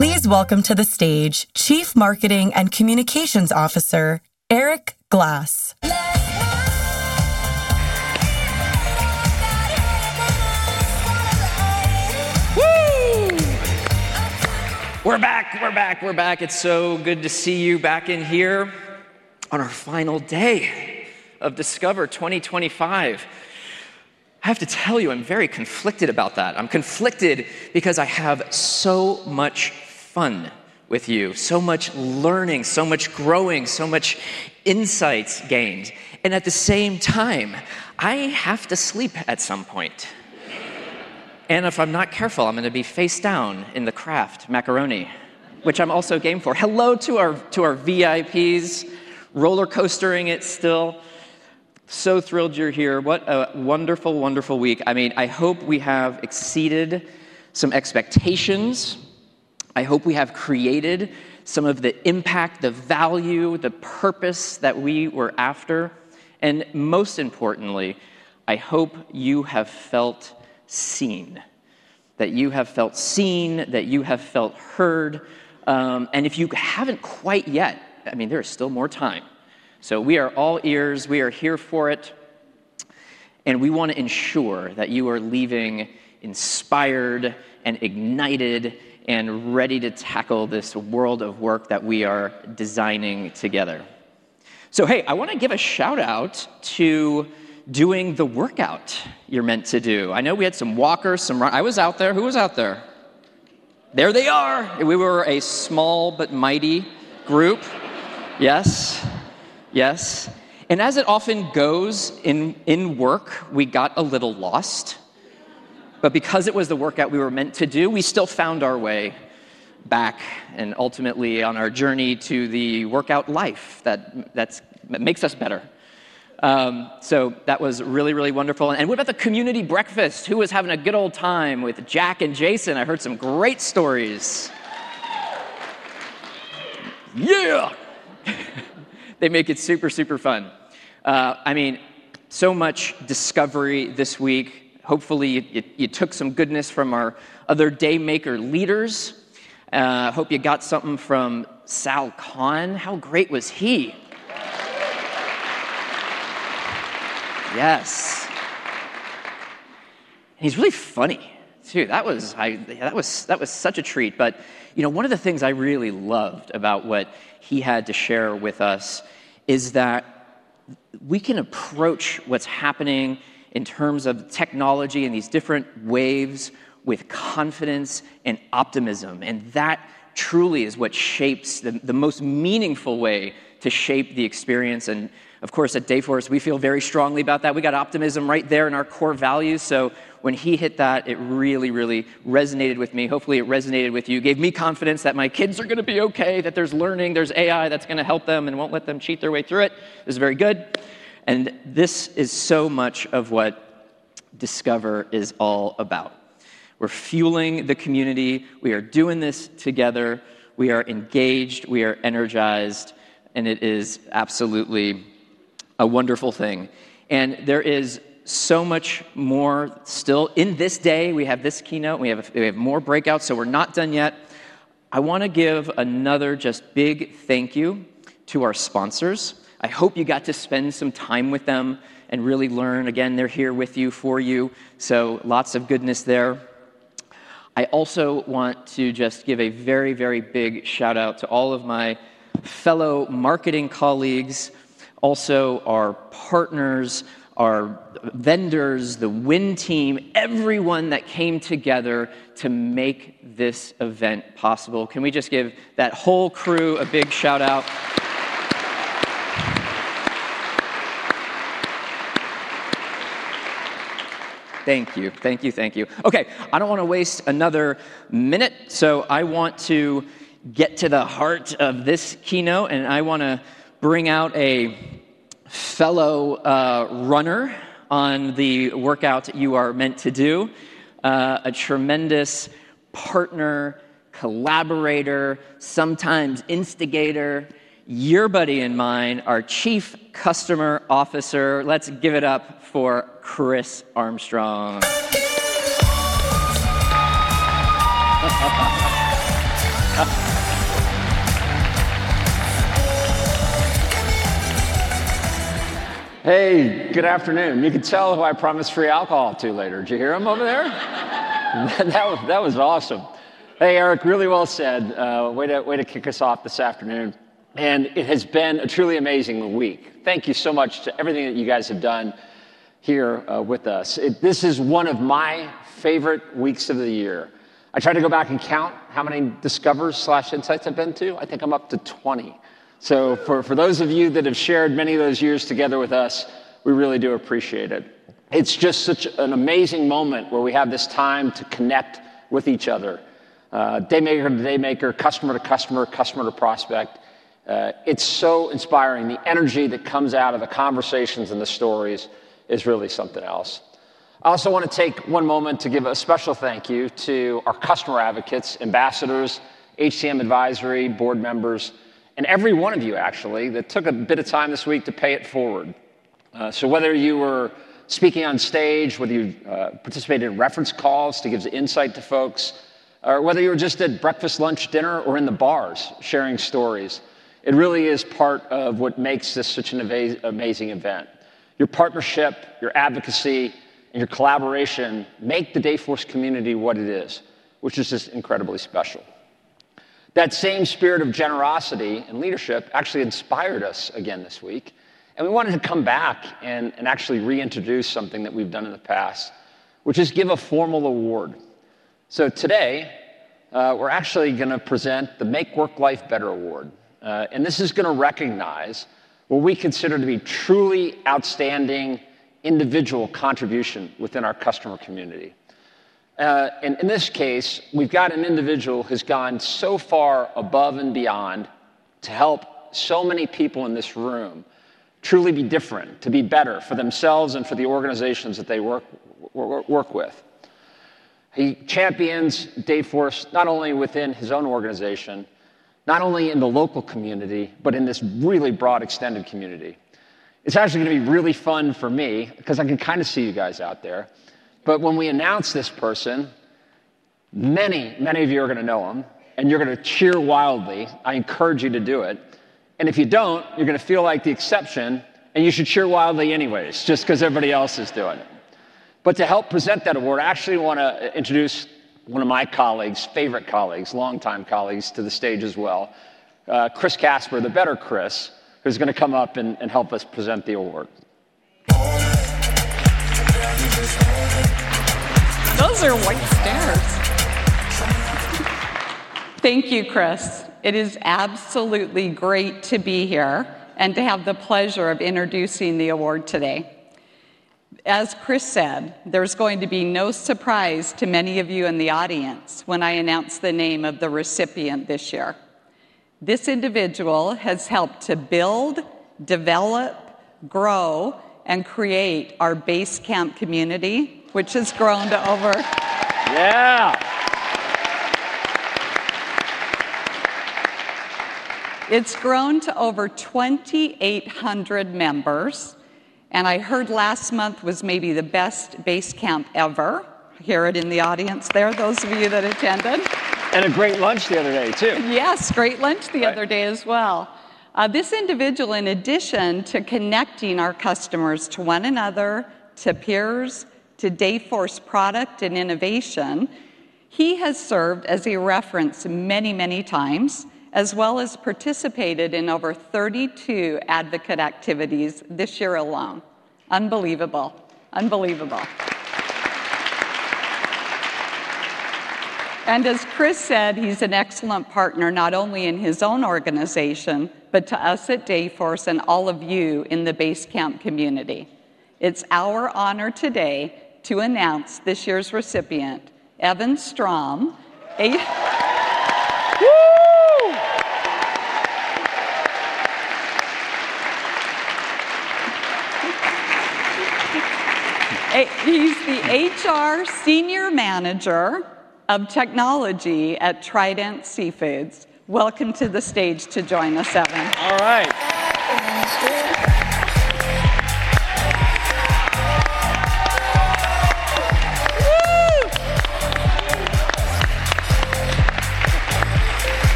Please welcome to the stage Chief Marketing and Communications Officer, Erik Glass. We're back, we're back, we're back. It's so good to see you back in here on our final day of Discover 2025. I have to tell you, I'm very conflicted about that. I'm conflicted because I have so much fun with you, so much learning, so much growing, so many insights gained. At the same time, I have to sleep at some point. If I'm not careful, I'm going to be face down in the craft macaroni, which I'm also game for. Hello to our VIPs, rollercoastering it still. So thrilled you're here. What a wonderful, wonderful week. I hope we have exceeded some expectations. I hope we have created some of the impact, the value, the purpose that we were after. Most importantly, I hope you have felt seen, that you have felt seen, that you have felt heard. If you haven't quite yet, there is still more time. We are all ears, we are here for it. We want to ensure that you are leaving inspired and ignited and ready to tackle this world of work that we are designing together. Hey, I want to give a shout out to doing the workout you're meant to do. I know we had some walkers, some running. I was out there. Who was out there? There they are. We were a small but mighty group. Yes, yes. As it often goes in work, we got a little lost. Because it was the workout we were meant to do, we still found our way back and ultimately on our journey to the workout life that makes us better. That was really, really wonderful. What about the community breakfast? Who was having a good old time with Jack and Jason? I heard some great stories. Yeah, they make it super, super fun. So much discovery this week. Hopefully, you took some goodness from our other day maker leaders. Hope you got something from Sal Khan. How great was he? Yes. He's really funny. That was such a treat. One of the things I really loved about what he had to share with us is that we can approach what's happening in terms of technology and these different waves with confidence and optimism. That truly is what shapes the most meaningful way to shape the experience. Of course, at Dayforce, we feel very strongly about that. We got optimism right there in our core values. When he hit that, it really, really resonated with me. Hopefully, it resonated with you. Gave me confidence that my kids are going to be okay, that there's learning, there's AI that's going to help them and won't let them cheat their way through it. It was very good. This is so much of what Discover is all about. We're fueling the community. We are doing this together. We are engaged. We are energized. It is absolutely a wonderful thing. There is so much more still. In this day, we have this keynote. We have more breakouts. We're not done yet. I want to give another just big thank you to our sponsors. I hope you got to spend some time with them and really learn. They're here with you, for you. Lots of goodness there. I also want to just give a very, very big shout out to all of my fellow marketing colleagues, also our partners, our vendors, the win team, everyone that came together to make this event possible. Can we just give that whole crew a big shout out? Thank you. Thank you. Thank you. I don't want to waste another minute. I want to get to the heart of this keynote. I want to bring out a fellow runner on the workout you are meant to do, a tremendous partner, collaborator, sometimes instigator, your buddy and mine, our Chief Customer Officer. Let's give it up for Chris Armstrong. Hey, good afternoon. You could tell who I promised free alcohol to later. Did you hear him over there? That was awesome. Hey, Erik, really well said. Way to kick us off this afternoon. It has been a truly amazing week. Thank you so much for everything that you guys have done here with us. This is one of my favorite weeks of the year. I tried to go back and count how many Discover sites I've been to. I think I'm up to 20. For those of you that have shared many of those years together with us, we really do appreciate it. It's just such an amazing moment where we have this time to connect with each other. Daymaker-to-daymaker, customer-to-customer, customer to prospect. It's so inspiring. The energy that comes out of the conversations and the stories is really something else. I also want to take one moment to give a special thank you to our customer advocates, ambassadors, HCM advisory board members, and every one of you, actually, that took a bit of time this week to pay it forward. Whether you were speaking on stage, whether you participated in reference calls to give insight to folks, or whether you were just at breakfast, lunch, dinner, or in the bars sharing stories, it really is part of what makes this such an amazing event. Your partnership, your advocacy, and your collaboration make the Dayforce community what it is, which is just incredibly special. That same spirit of generosity and leadership actually inspired us again this week. We wanted to come back and actually reintroduce something that we've done in the past, which is give a formal award. Today, we're actually going to present the Make Work-Life Better Award. This is going to recognize what we consider to be truly outstanding individual contributions within our customer community. In this case, we've got an individual who's gone so far above and beyond to help so many people in this room truly be different, to be better for themselves and for the organizations that they work with. He champions Dayforce, not only within his own organization, not only in the local community, but in this really broad extended community. It's actually going to be really fun for me because I can kind of see you guys out there. When we announce this person, many, many of you are going to know him, and you're going to cheer wildly. I encourage you to do it. If you don't, you're going to feel like the exception, and you should cheer wildly anyways, just because everybody else is doing it. To help present that award, I actually want to introduce one of my colleagues, favorite colleagues, longtime colleagues to the stage as well, Chris Casper, the better Chris, who's going to come up and help us present the award. Those are wide stairs. Thank you, Chris. It is absolutely great to be here and to have the pleasure of introducing the award today. As Chris said, there's going to be no surprise to many of you in the audience when I announce the name of the recipient this year. This individual has helped to build, develop, grow, and create our Basecamp community, which has grown to over... Yeah! It's grown to over 2,800 members. I heard last month was maybe the best Basecamp ever. Hear it in the audience there, those of you that attended. Had a great lunch the other day, too. Yes, great lunch the other day as well. This individual, in addition to connecting our customers to one another, to peers, to Dayforce product and innovation, has served as a reference many, many times, as well as participated in over 32 advocate activities this year alone. Unbelievable. Unbelievable. As Chris said, he's an excellent partner, not only in his own organization, but to us at Dayforce and all of you in the Basecamp community. It's our honor today to announce this year's recipient, Evan Stroum. He's the HR Senior Manager of Technology at Trident Seafoods. Welcome to the stage to join us, Evan. All right.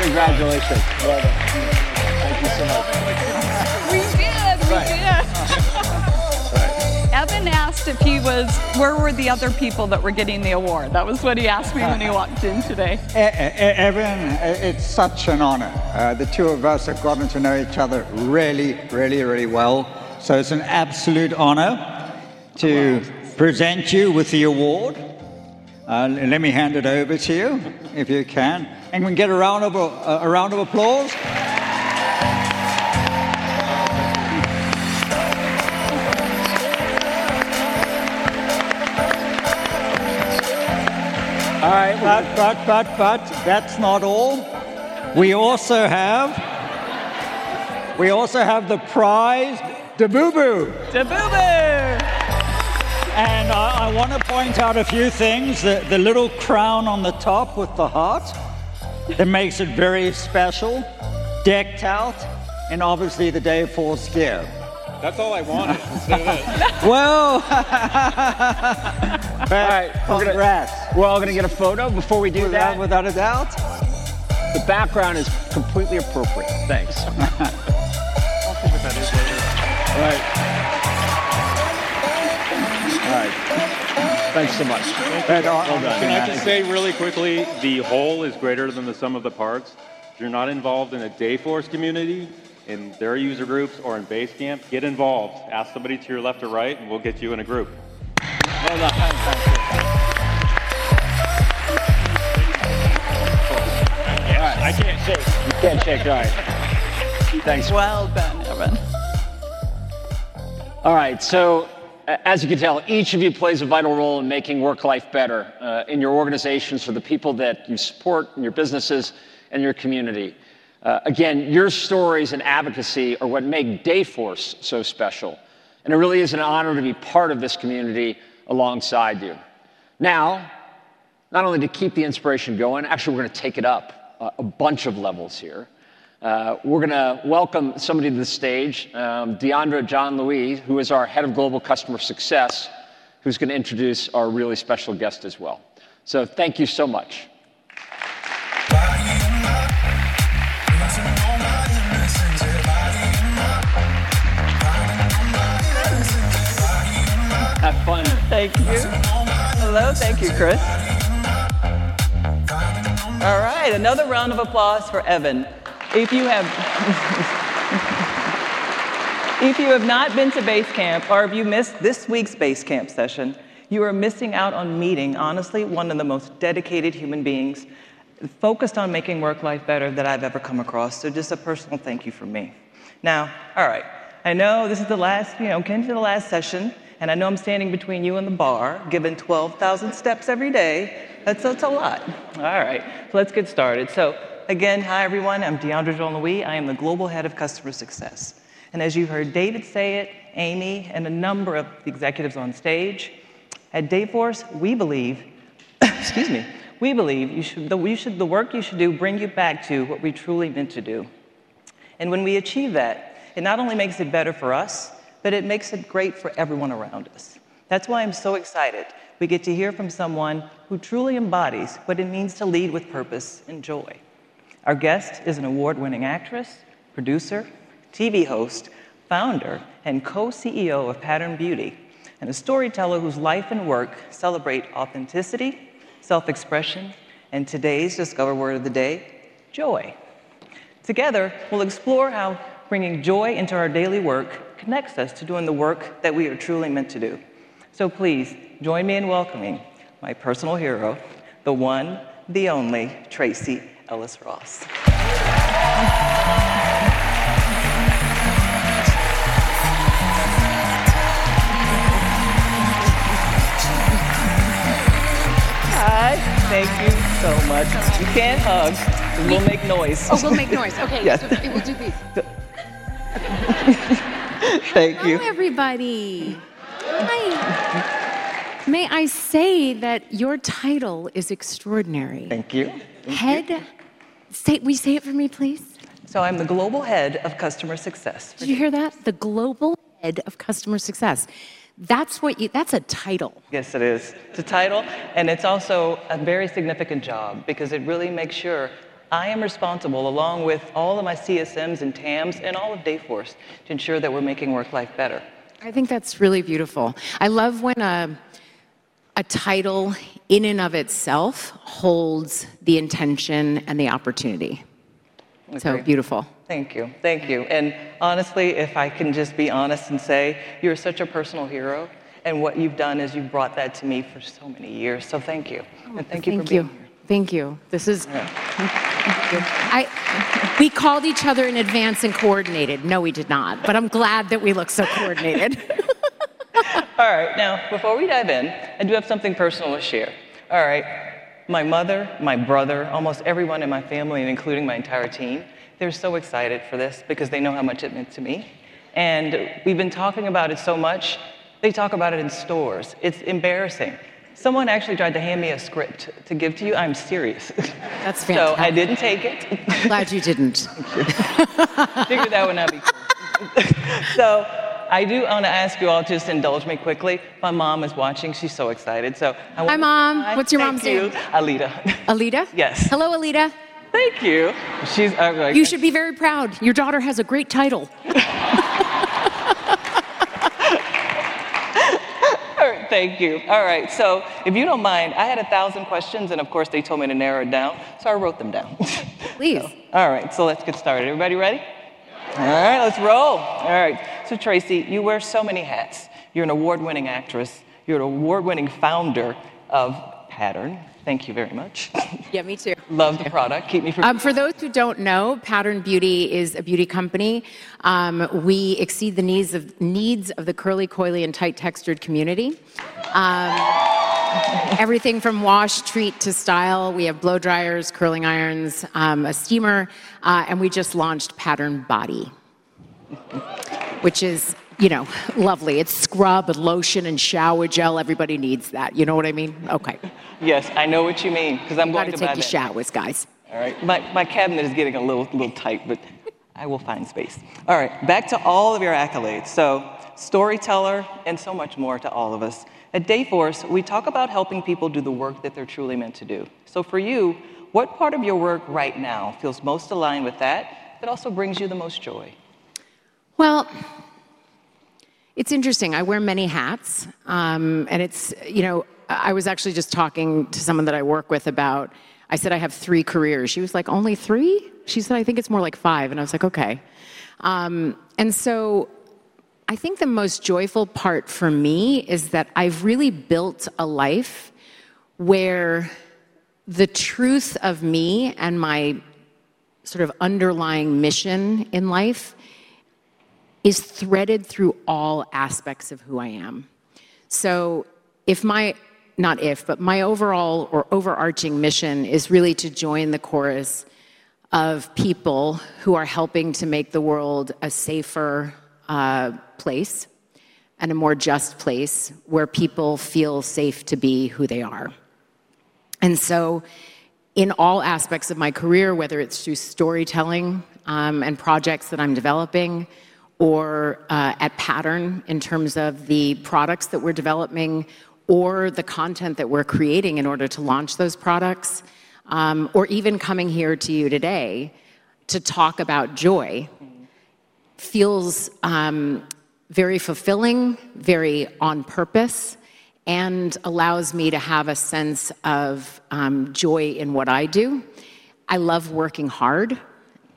Congratulations. Evan asked if he was, where were the other people that were getting the award? That was what he asked me when he walked in today. Everyone, it's such an honor. The two of us have gotten to know each other really, really, really well. It's an absolute honor to present you with the award. Let me hand it over to you if you can. Can we get a round of applause? All right. That's not all. We also have the prize. Dabubu. Dabubu. I want to point out a few things. The little crown on the top with the heart makes it very special. Decked out, and obviously, the Dayforce gift. That's all I want. Whoa. All right. Congrats. I'm going to get a photo before we do that, without a doubt. The background is completely appropriate. Thanks. I'll put that in later. All right, thanks so much. Thank you. Hold on. Can I just say really quickly, the whole is greater than the sum of the parts. If you're not involved in a Dayforce community, in their user groups, or in Basecamp community, get involved. Ask somebody to your left or right, and we'll get you in a group. All right. I can't shake. You can't shake. All right. Thanks. Well done, Evan. All right. As you can tell, each of you plays a vital role in making work-life better in your organizations for the people that you support in your businesses and your community. Again, your stories and advocacy are what make Dayforce so special. It really is an honor to be part of this community alongside you. Now, not only to keep the inspiration going, actually, we're going to take it up a bunch of levels here. We're going to welcome somebody to the stage, DeAndra Jean-Louis, who is our Head of Global Customer Success, who's going to introduce our really special guest as well. Thank you so much. Have fun. Thank you. Hello. Thank you, Chris. All right. Another round of applause for Evan. If you have not been to Basecamp or have you missed this week's Basecamp session, you are missing out on meeting, honestly, one of the most dedicated human beings focused on making work-life better that I've ever come across. Just a personal thank you from me. All right. I know this is the last, you know, came to the last session. I know I'm standing between you and the bar, given 12,000 steps every day. That's a lot. All right. Let's get started. Again, hi, everyone. I'm DeAndra Jean-Louis. I am the Global Head of Customer Success. As you've heard David say it, Amy, and a number of the executives on stage, at Dayforce, we believe, excuse me, we believe you should, the work you should do brings you back to what we truly meant to do. When we achieve that, it not only makes it better for us, but it makes it great for everyone around us. That's why I'm so excited. We get to hear from someone who truly embodies what it means to lead with purpose and joy. Our guest is an award-winning actress, producer, TV host, founder, and co-CEO of Pattern Beauty, and a storyteller whose life and work celebrate authenticity, self-expression, and today's Discover word of the day, Joy. Together, we'll explore how bringing joy into our daily work connects us to doing the work that we are truly meant to do. Please join me in welcoming my personal hero, the one, the only, Tracee Ellis Ross. Hi. Thank you so much. You can't hug because we'll make noise. Oh, we'll make noise. Okay, we'll do these. Thank you. Hi, everybody. Hi. May I say that your title is extraordinary? Thank you. Head, say it for me, please. I'm the Global Head of Customer Success. Did you hear that? The Global Head of Customer Success. That's what you, that's a title. Yes, it is. It's a title, and it's also a very significant job because it really makes sure I am responsible, along with all of my CSMs and TAMs and all of Dayforce, to ensure that we're making work-life better. I think that's really beautiful. I love when a title in and of itself holds the intention and the opportunity. So beautiful. Thank you. Honestly, if I can just be honest and say, you're such a personal hero. What you've done is you've brought that to me for so many years. Thank you for me. Thank you. Thank you. This is good. We called each other in advance and coordinated. No, we did not. I'm glad that we look so coordinated. All right. Now, before we dive in, I do have something personal to share. My mother, my brother, almost everyone in my family, and including my entire team, they're so excited for this because they know how much it meant to me. We've been talking about it so much. They talk about it in stores. It's embarrassing. Someone actually tried to hand me a script to give to you. I'm serious. That's terrible. I didn't take it. Glad you didn't. I do want to ask you all to just indulge me quickly. My mom is watching. She's so excited. I want to. Hi mom. What's your mom's name? Alita. Alita? Yes. Hello, Alita. Thank you. You should be very proud. Your daughter has a great title. Thank you. All right. If you don't mind, I had a thousand questions, and of course, they told me to narrow it down. I wrote them down. Please. All right. Let's get started. Everybody ready? All right. Let's roll. All right. So Tracee, you wear so many hats. You're an award-winning actress. You're an award-winning founder of Pattern. Thank you very much. Yeah, me too. Love the product. For those who don't know, Pattern Beauty is a beauty company. We exceed the needs of the curly, coily, and tight textured community. Everything from wash, treat, to style. We have blow dryers, curling irons, a steamer, and we just launched Pattern Body, which is, you know, lovely. It's scrub, lotion, and shower gel. Everybody needs that. You know what I mean? Okay. Yes, I know what you mean because I'm going to bed now. I'm going to showers, guys. All right. My cabinet is getting a little tight, but I will find space. All right, back to all of your accolades. Storyteller and so much more to all of us. At Dayforce, we talk about helping people do the work that they're truly meant to do. For you, what part of your work right now feels most aligned with that, but also brings you the most joy? It's interesting. I wear many hats. I was actually just talking to someone that I work with about, I said I have three careers. She was like, "Only three?" She said, "I think it's more like five." I was like, "Okay." I think the most joyful part for me is that I've really built a life where the truth of me and my sort of underlying mission in life is threaded through all aspects of who I am. If my, not if, but my overall or overarching mission is really to join the chorus of people who are helping to make the world a safer place and a more just place where people feel safe to be who they are. In all aspects of my career, whether it's through storytelling and projects that I'm developing, or at Pattern Beauty in terms of the products that we're developing, or the content that we're creating in order to launch those products, or even coming here to you today to talk about joy, it feels very fulfilling, very on purpose, and allows me to have a sense of joy in what I do. I love working hard.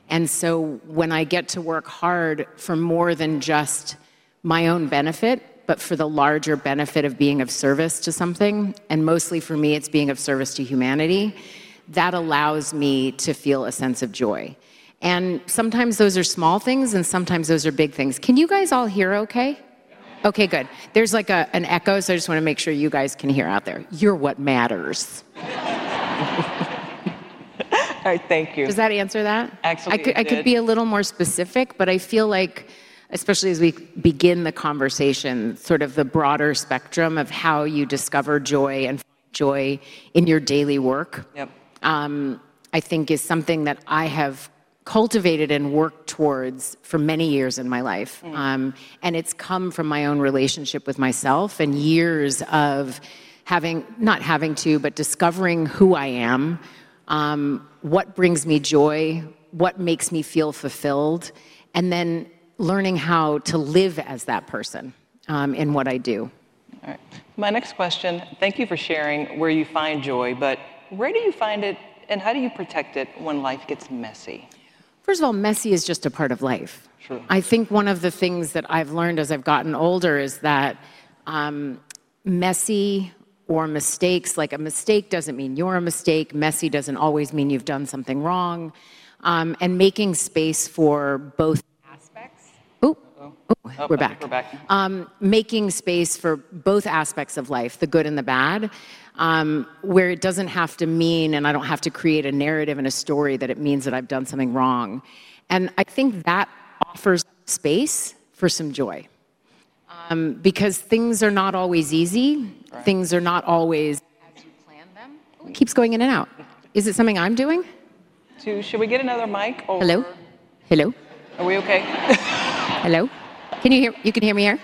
When I get to work hard for more than just my own benefit, but for the larger benefit of being of service to something, and mostly for me, it's being of service to humanity, that allows me to feel a sense of joy. Sometimes those are small things, and sometimes those are big things. Can you guys all hear okay? Okay, good. There's like an echo, so I just want to make sure you guys can hear out there. You're what matters. All right, thank you. Does that answer that? Absolutely. I could be a little more specific, but I feel like, especially as we begin the conversation, the broader spectrum of how you discover joy and find joy in your daily work is something that I have cultivated and worked towards for many years in my life. It's come from my own relationship with myself and years of having, not having to, but discovering who I am, what brings me joy, what makes me feel fulfilled, and then learning how to live as that person in what I do. All right. My next question, thank you for sharing where you find joy, but where do you find it and how do you protect it when life gets messy? First of all, messy is just a part of life. True. I think one of the things that I've learned as I've gotten older is that messy or mistakes, like a mistake doesn't mean you're a mistake. Messy doesn't always mean you've done something wrong. Making space for both aspects of life, the good and the bad, where it doesn't have to mean, and I don't have to create a narrative and a story that it means that I've done something wrong. I think that offers space for some joy because things are not always easy. Things are not always as you plan them. It keeps going in and out. Is it something I'm doing? Should we get another mic? Hello? Hello? Are we okay? Hello, can you hear me? Can you hear me here?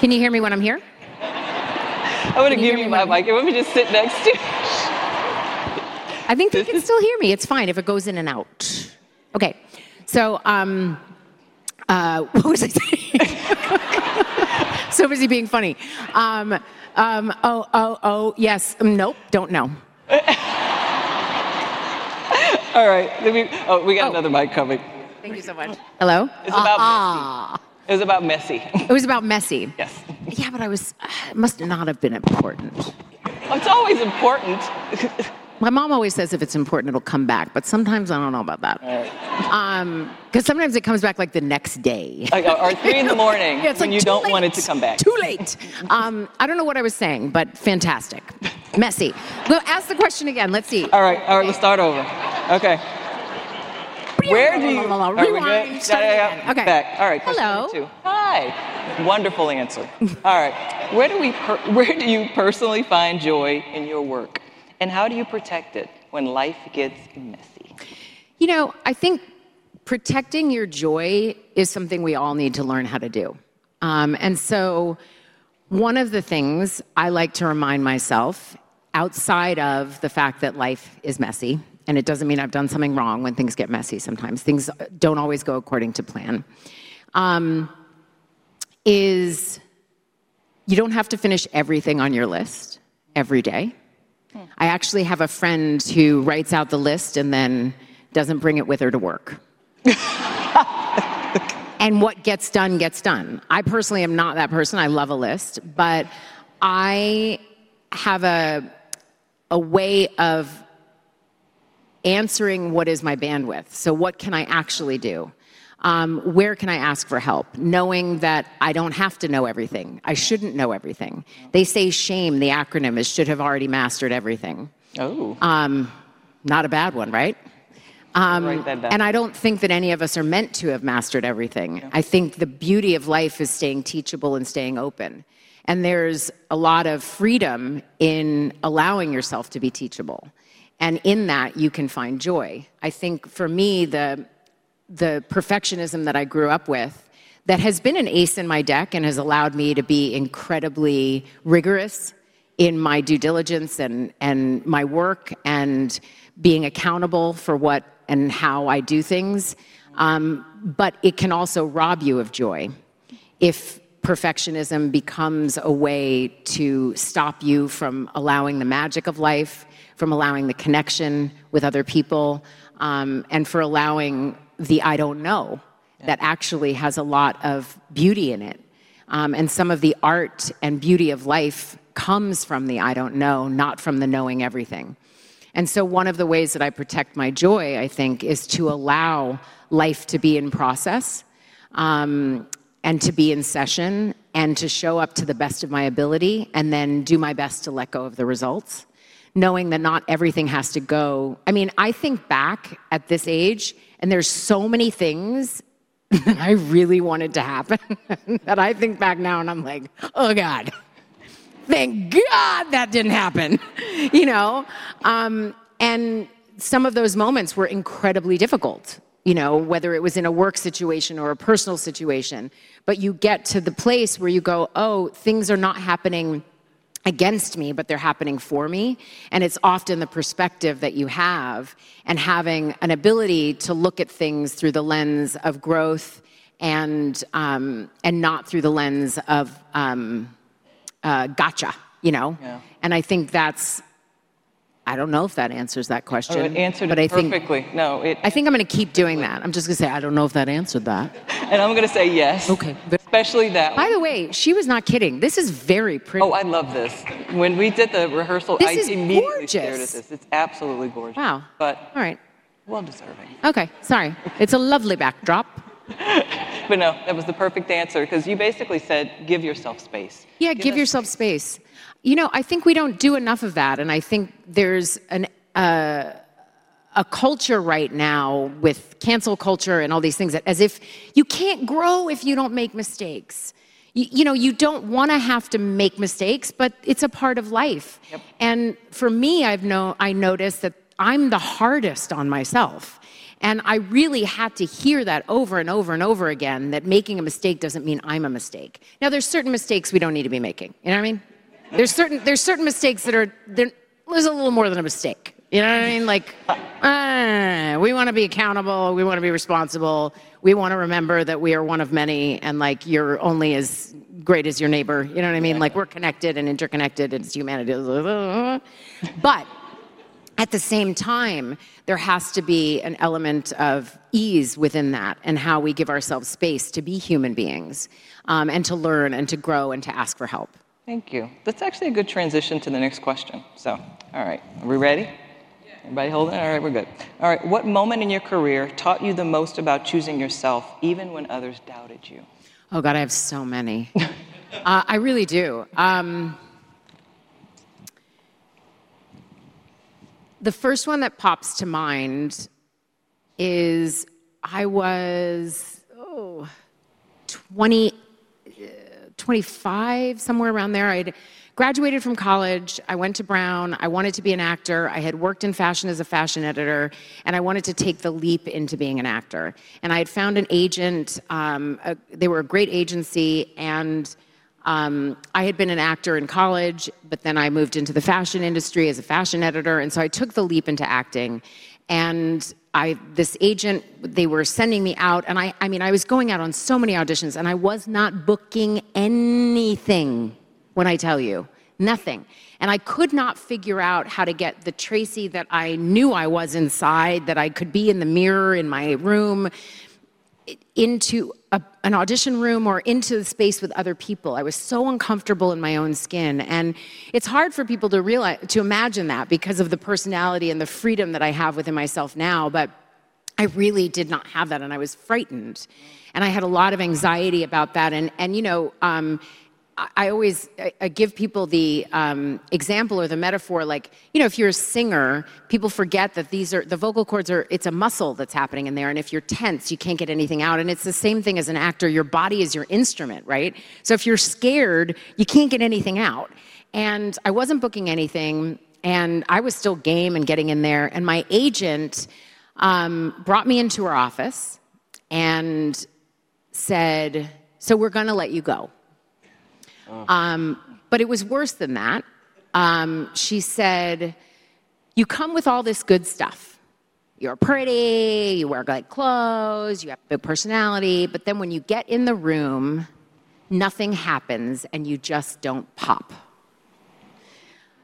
Can you hear me when I'm here? I'm going to give you my mic. Let me just sit next to you. I think you can still hear me. It's fine if it goes in and out. What was I saying? So busy being funny. Oh, yes. Nope, don't know. All right. Let me—oh, we got another mic coming. Thank you so much. Hello? It was about messy. It was about messy. Yes. Yeah, it must not have been important. It's always important. My mom always says if it's important, it'll come back. Sometimes I don't know about that, because sometimes it comes back like the next day. Like at 3:00 A.M. Yeah, it's like. You don't want it to come back. I don't know what I was saying, but fantastic. Messy. Ask the question again. Let's see. All right. We'll start over. Okay. Where do you? Yeah. Okay. Back. All right. Hello. Hi. Wonderful answer. All right, where do you personally find joy in your work, and how do you protect it when life gets messy? I think protecting your joy is something we all need to learn how to do. One of the things I like to remind myself, outside of the fact that life is messy, is it doesn't mean I've done something wrong when things get messy sometimes. Things don't always go according to plan. You don't have to finish everything on your list every day. I actually have a friend who writes out the list and then doesn't bring it with her to work. What gets done gets done. I personally am not that person. I love a list, but I have a way of answering, what is my bandwidth? What can I actually do? Where can I ask for help, knowing that I don't have to know everything? I shouldn't know everything. They say shame, the acronym, is should have already mastered everything. Oh. Not a bad one, right? Right. I don't think that any of us are meant to have mastered everything. I think the beauty of life is staying teachable and staying open. There is a lot of freedom in allowing yourself to be teachable, and in that, you can find joy. I think for me, the perfectionism that I grew up with has been an ace in my deck and has allowed me to be incredibly rigorous in my due diligence and my work and being accountable for what and how I do things. It can also rob you of joy if perfectionism becomes a way to stop you from allowing the magic of life, from allowing the connection with other people, and for allowing the I don't know that actually has a lot of beauty in it. Some of the art and beauty of life comes from the I don't know, not from the knowing everything. One of the ways that I protect my joy, I think, is to allow life to be in process and to be in session and to show up to the best of my ability and then do my best to let go of the results, knowing that not everything has to go. I think back at this age, and there are so many things that I really wanted to happen that I think back now and I'm like, "Oh, God. Thank God that didn't happen." Some of those moments were incredibly difficult, whether it was in a work situation or a personal situation. You get to the place where you go, "Oh, things are not happening against me, but they're happening for me." It is often the perspective that you have and having an ability to look at things through the lens of growth and not through the lens of gotcha, you know? Yeah. I think that's, I don't know if that answers that question. It answered it perfectly. I think I'm going to keep doing that. I'm just going to say I don't know if that answered that. I'm going to say yes. Okay. Especially that. By the way, she was not kidding. This is very pretty. Oh, I love this. When we did the rehearsal, it seemed meaningless to bear with this. It's gorgeous. It's absolutely gorgeous. Wow. But. All right. Well deserving. Okay, sorry. It's a lovely backdrop. That was the perfect answer because you basically said, give yourself space. Yeah, give yourself space. I think we don't do enough of that. I think there's a culture right now with cancel culture and all these things as if you can't grow if you don't make mistakes. You don't want to have to make mistakes, but it's a part of life. For me, I've noticed that I'm the hardest on myself. I really had to hear that over and over again that making a mistake doesn't mean I'm a mistake. There are certain mistakes we don't need to be making. You know what I mean? There are certain mistakes that are a little more than a mistake. You know what I mean? We want to be accountable. We want to be responsible. We want to remember that we are one of many and you're only as great as your neighbor. You know what I mean? We're connected and interconnected as humanity. At the same time, there has to be an element of ease within that and how we give ourselves space to be human beings and to learn and to grow and to ask for help. Thank you. That's actually a good transition to the next question. Are we ready? Yeah. All right, we're good. All right. What moment in your career taught you the most about choosing yourself, even when others doubted you? Oh, God, I have so many. I really do. The first one that pops to mind is I was 25, somewhere around there. I had graduated from college. I went to Brown. I wanted to be an actor. I had worked in fashion as a fashion editor. I wanted to take the leap into being an actor. I had found an agent. They were a great agency. I had been an actor in college, but then I moved into the fashion industry as a fashion editor. I took the leap into acting. This agent, they were sending me out. I was going out on so many auditions. I was not booking anything, what I tell you. Nothing. I could not figure out how to get the Tracee that I knew I was inside, that I could be in the mirror in my room, into an audition room or into the space with other people. I was so uncomfortable in my own skin. It's hard for people to imagine that because of the personality and the freedom that I have within myself now. I really did not have that. I was frightened. I had a lot of anxiety about that. I always give people the example or the metaphor like, you know, if you're a singer, people forget that these are the vocal cords, it's a muscle that's happening in there. If you're tense, you can't get anything out. It's the same thing as an actor. Your body is your instrument, right? If you're scared, you can't get anything out. I wasn't booking anything. I was still game and getting in there. My agent brought me into her office and said, "So we're going to let you go." It was worse than that. She said, "You come with all this good stuff. You're pretty. You wear good clothes. You have a good personality. Then when you get in the room, nothing happens and you just don't pop."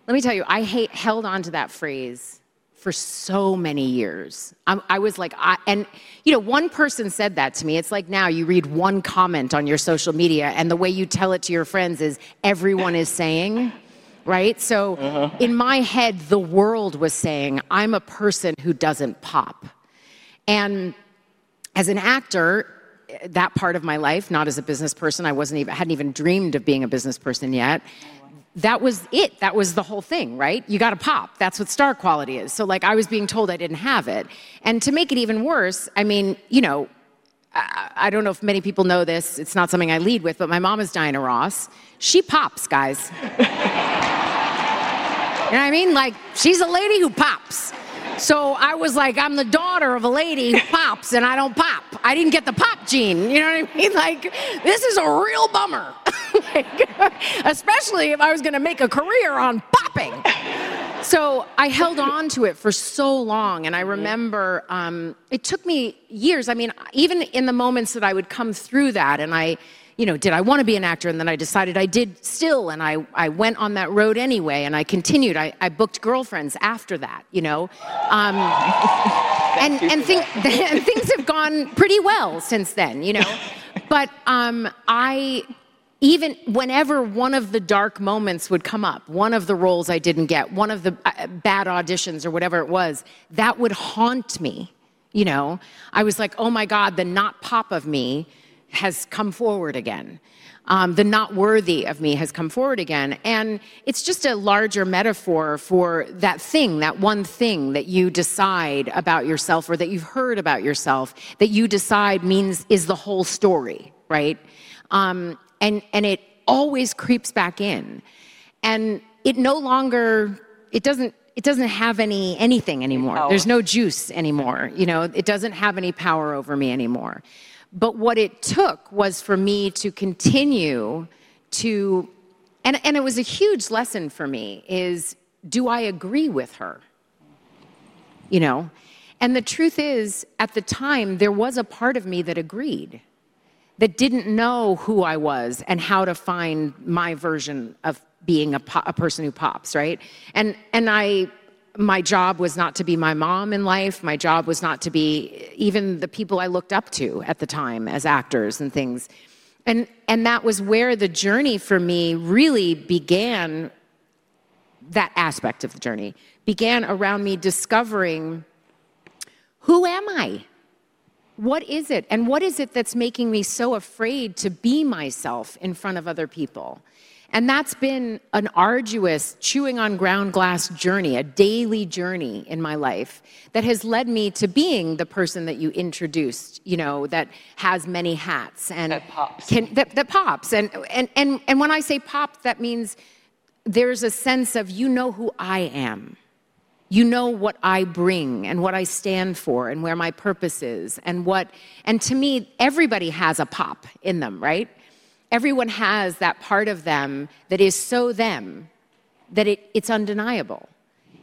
Let me tell you, I held on to that phrase for so many years. One person said that to me. It's like now you read one comment on your social media, and the way you tell it to your friends is everyone is saying, right? In my head, the world was saying, "I'm a person who doesn't pop." As an actor, that part of my life, not as a business person, I hadn't even dreamed of being a business person yet. That was it. That was the whole thing, right? You got to pop. That's what star quality is. I was being told I didn't have it. To make it even worse, I don't know if many people know this. It's not something I lead with, but my mom is Diana Ross. She pops, guys. You know what I mean? Like, she's a lady who pops. I was like, I'm the daughter of a lady who pops and I don't pop. I didn't get the pop gene. You know what I mean? This is a real bummer, especially if I was going to make a career on popping. I held on to it for so long. I remember it took me years. Even in the moments that I would come through that and I, you know, did I want to be an actor and then I decided I did still and I went on that road anyway and I continued. I booked Girlfriends after that, you know, and things have gone pretty well since then, you know. Even whenever one of the dark moments would come up, one of the roles I didn't get, one of the bad auditions or whatever it was, that would haunt me. I was like, oh my God, the not pop of me has come forward again. The not worthy of me has come forward again. It's just a larger metaphor for that thing, that one thing that you decide about yourself or that you've heard about yourself that you decide means is the whole story, right? It always creeps back in. It no longer, it doesn't have anything anymore. There's no juice anymore. It doesn't have any power over me anymore. What it took was for me to continue to, and it was a huge lesson for me, is do I agree with her? The truth is, at the time, there was a part of me that agreed, that didn't know who I was and how to find my version of being a person who pops, right? My job was not to be my mom in life. My job was not to be even the people I looked up to at the time as actors and things. That was where the journey for me really began. That aspect of the journey began around me discovering who am I? What is it? What is it that's making me so afraid to be myself in front of other people? That's been an arduous, chewing on ground glass journey, a daily journey in my life that has led me to being the person that you introduced, you know, that has many hats. That pops. That pops. When I say pop, that means there's a sense of you know who I am, you know what I bring and what I stand for and where my purpose is. To me, everybody has a pop in them, right? Everyone has that part of them that is so them that it's undeniable.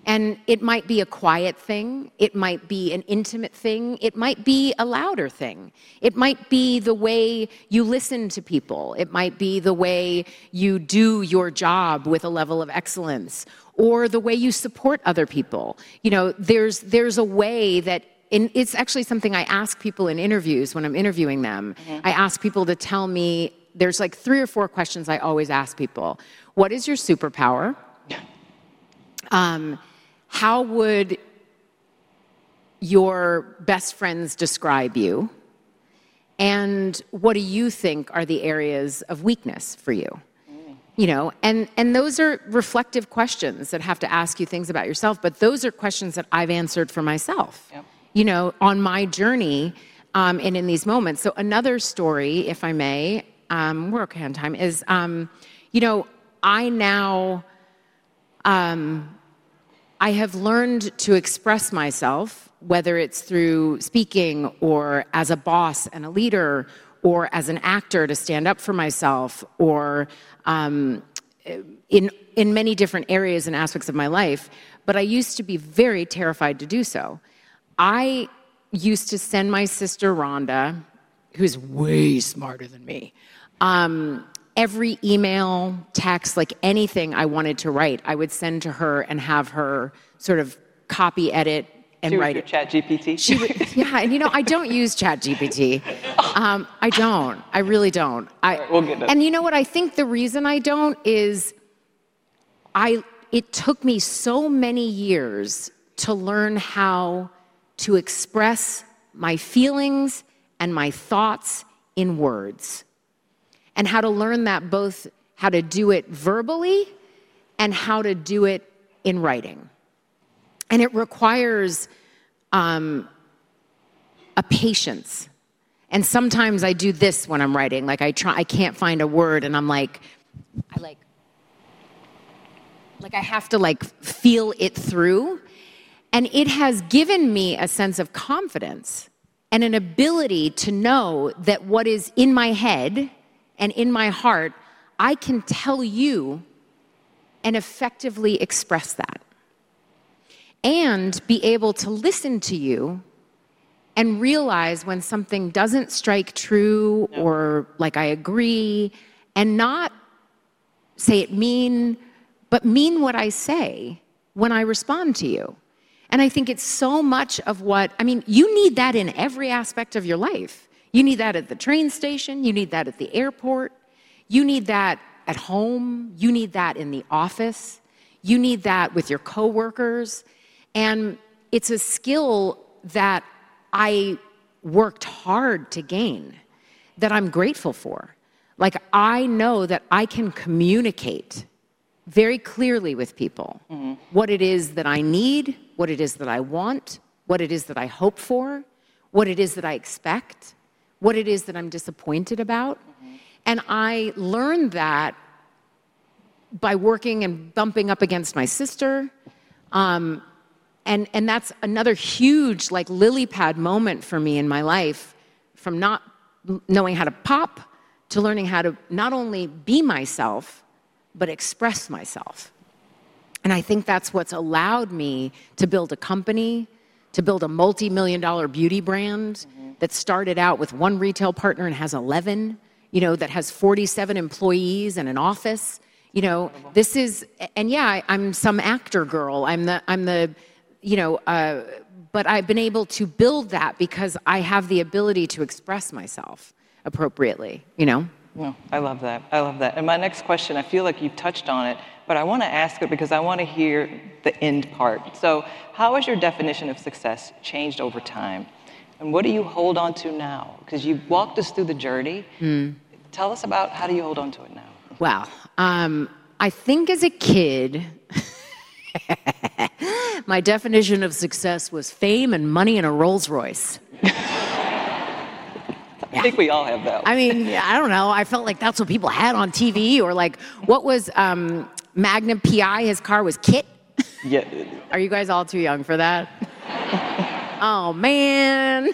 It might be a quiet thing, it might be an intimate thing, it might be a louder thing. It might be the way you listen to people, it might be the way you do your job with a level of excellence or the way you support other people. There's a way that, and it's actually something I ask people in interviews when I'm interviewing them. I ask people to tell me, there's like three or four questions I always ask people. What is your superpower? How would your best friends describe you? What do you think are the areas of weakness for you? Those are reflective questions that have to ask you things about yourself, but those are questions that I've answered for myself on my journey and in these moments. Another story, if I may, we're okay on time, is, I now have learned to express myself, whether it's through speaking or as a boss and a leader or as an actor to stand up for myself or in many different areas and aspects of my life. I used to be very terrified to do so. I used to send my sister, Rhonda, who's way smarter than me, every email, text, like anything I wanted to write, I would send to her and have her sort of copy edit and write. Speaking of ChatGPT. I don't use ChatGPT. I don't. I really don't. All right, we'll get to that. I think the reason I don't is it took me so many years to learn how to express my feelings and my thoughts in words and how to learn that both how to do it verbally and how to do it in writing. It requires patience. Sometimes I do this when I'm writing. I try, I can't find a word and I have to feel it through. It has given me a sense of confidence and an ability to know that what is in my head and in my heart, I can tell you and effectively express that and be able to listen to you and realize when something doesn't strike true or I agree and not say it mean, but mean what I say when I respond to you. I think you need that in every aspect of your life. You need that at the train station. You need that at the airport. You need that at home. You need that in the office. You need that with your coworkers. It's a skill that I worked hard to gain that I'm grateful for. I know that I can communicate very clearly with people what it is that I need, what it is that I want, what it is that I hope for, what it is that I expect, what it is that I'm disappointed about. I learned that by working and bumping up against my sister. That's another huge lily pad moment for me in my life, from not knowing how to pop to learning how to not only be myself, but express myself. I think that's what's allowed me to build a company, to build a multimillion-dollar beauty brand that started out with one retail partner and has 11, that has 47 employees and an office. I'm some actor girl, but I've been able to build that because I have the ability to express myself appropriately. I love that. I love that. My next question, I feel like you touched on it, but I want to ask it because I want to hear the end part. How has your definition of success changed over time, and what do you hold on to now? You've walked us through the journey. Tell us about how you hold on to it now. Wow. I think as a kid, my definition of success was fame and money and a Rolls-Royce. I think we all have that. I mean, yeah, I don't know. I felt like that's what people had on TV, or like, what was Magnum PI? His car was Kit. Yeah. Are you guys all too young for that? Oh, man.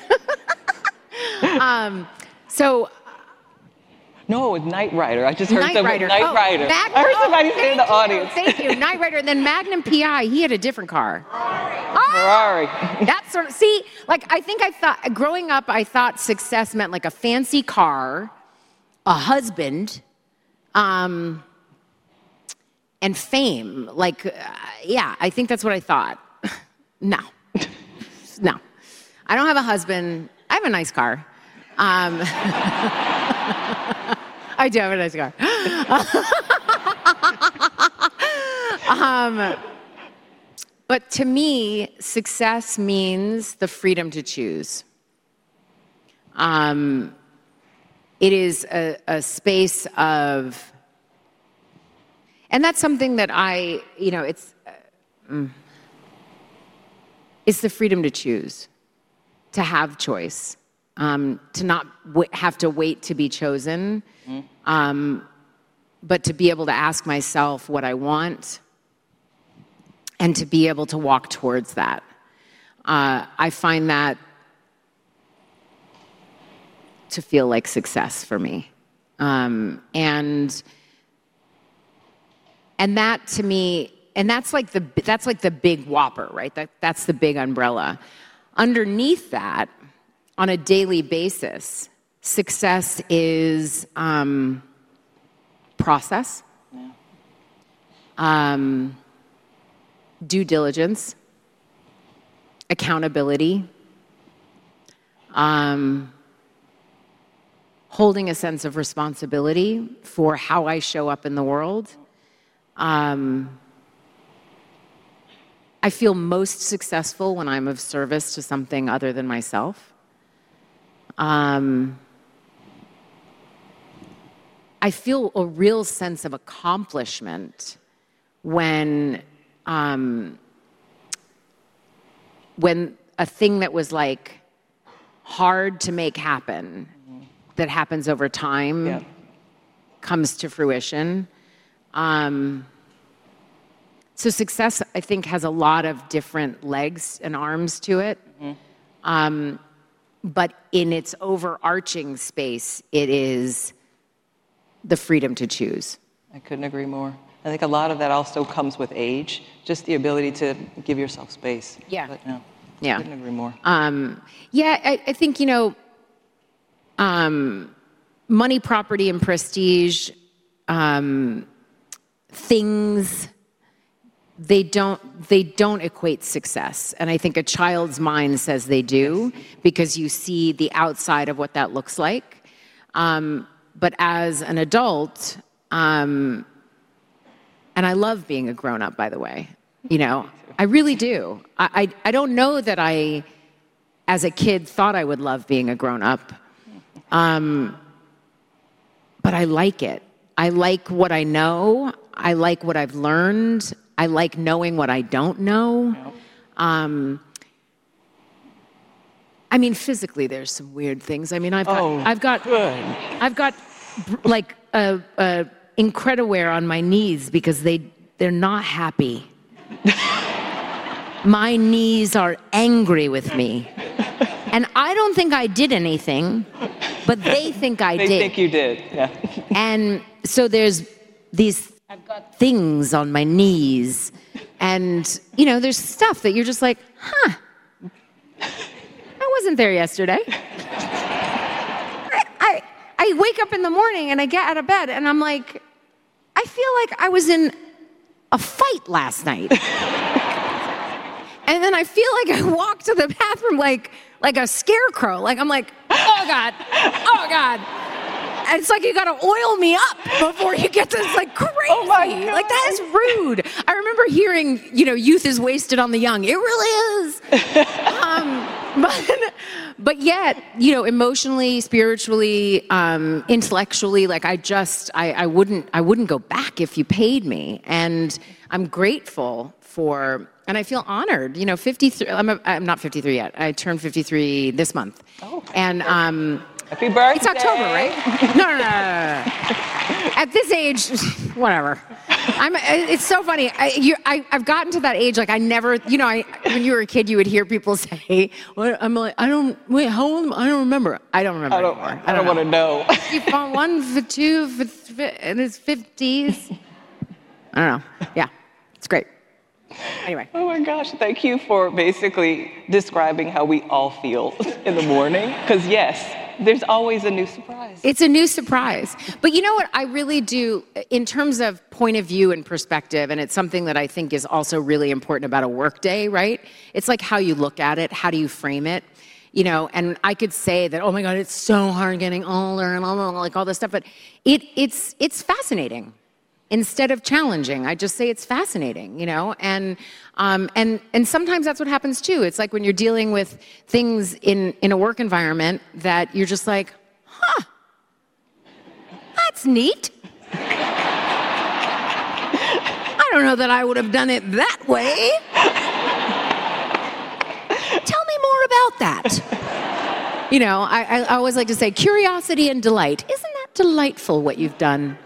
No, with Knight Rider. I just heard somebody say Knight Rider. Knight Rider. I heard somebody say in the audience. Thank you. Knight Rider. Then Magnum P.I., he had a different car. Ferrari. That's sort of, like I think I thought growing up, I thought success meant like a fancy car, a husband, and fame. Yeah, I think that's what I thought. No, I don't have a husband. I have a nice car. I do have a nice car. To me, success means the freedom to choose. It is a space of, and that's something that I, you know, it's the freedom to choose, to have choice, to not have to wait to be chosen, but to be able to ask myself what I want and to be able to walk towards that. I find that to feel like success for me. That to me, that's like the big whopper, right? That's the big umbrella. Underneath that, on a daily basis, success is process, due diligence, accountability, holding a sense of responsibility for how I show up in the world. I feel most successful when I'm of service to something other than myself. I feel a real sense of accomplishment when a thing that was hard to make happen, that happens over time, comes to fruition. Success, I think, has a lot of different legs and arms to it. In its overarching space, it is the freedom to choose. I couldn't agree more. I think a lot of that also comes with age, just the ability to give yourself space. Yeah. No, I couldn't agree more. Yeah, I think, you know, money, property, and prestige things, they don't equate success. I think a child's mind says they do because you see the outside of what that looks like. As an adult, and I love being a grown-up, by the way, you know, I really do. I don't know that I, as a kid, thought I would love being a grown-up. I like it. I like what I know. I like what I've learned. I like knowing what I don't know. I mean, physically, there's some weird things. I mean, I've got. Oh, good. I've got an Incrediwear on my knees because they're not happy. My knees are angry with me. I don't think I did anything, but they think I did. They think you did. Yeah. There are these things on my knees. You know, there's stuff that you're just like, "Huh, that wasn't there yesterday." I wake up in the morning and I get out of bed and I'm like, "I feel like I was in a fight last night." I feel like I walked to the bathroom like a scarecrow. I'm like, "Oh, God. Oh, God." It's like you have to oil me up before you get to this, like, crazy. Oh, my God. Like that is rude. I remember hearing, you know, youth is wasted on the young. It really is. Yet, you know, emotionally, spiritually, intellectually, I just, I wouldn't go back if you paid me. I'm grateful for, and I feel honored. I'm not 53 yet. I turn 53 this month. Oh. And. Happy birthday. It's October, right? At this age, whatever. It's so funny. I've gotten to that age, like I never, you know, when you were a kid, you would hear people say, "I went home. I don't remember." I don't remember. I don't want to know. You found one for two in his 50s. I don't know. Yeah, it's great. Anyway. Oh, my gosh. Thank you for basically describing how we all feel in the morning, because yes, there's always a new. It's a new surprise. You know what? I really do, in terms of point of view and perspective, and it's something that I think is also really important about a workday, right? It's like how you look at it. How do you frame it? I could say that, "Oh, my God, it's so hard getting older and all the stuff." It's fascinating instead of challenging. I just say it's fascinating, you know? Sometimes that's what happens too. It's like when you're dealing with things in a work environment that you're just like, "Huh, that's neat. I don't know that I would have done it that way." Tell me more about that. I always like to say curiosity and delight. Isn't that delightful what you've done?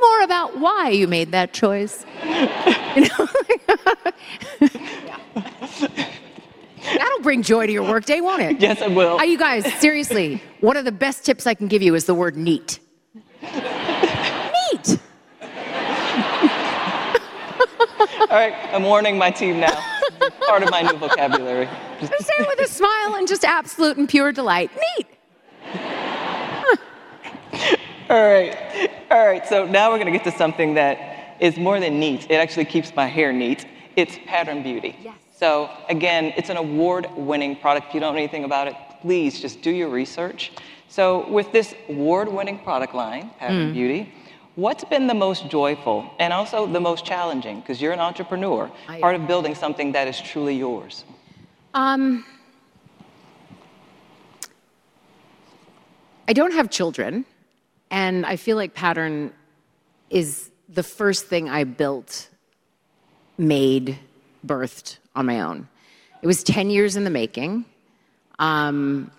Tell me more about why you made that choice. That'll bring joy to your workday, won't it? Yes, it will. Seriously, one of the best tips I can give you is the word neat. Neat. All right. I'm warning my team now, part of my new vocabulary. Say it with a smile and just absolute and pure delight. Neat. All right. Now we're going to get to something that is more than neat. It actually keeps my hair neat. It's Pattern Beauty. Again, it's an award-winning product. If you don't know anything about it, please just do your research. With this award-winning product line, Pattern Beauty, what's been the most joyful and also the most challenging because you're an entrepreneur, part of building something that is truly yours? I don't have children. I feel like Pattern is the first thing I built, made, birthed on my own. It was 10 years in the making. It